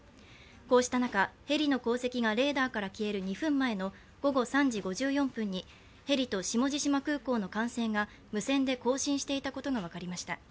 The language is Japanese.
こうした中、ヘリの航跡がレーダーから消える２分前の午後３時５４分にヘリと下地島空港の管制が無線で交信していたことが分かりました。